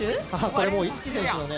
これもういつき選手のね